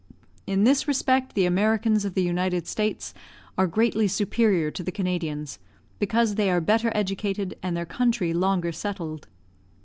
In this respect the Americans of the United States are greatly superior to the Canadians, because they are better educated and their country longer settled.